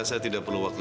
terima kasih al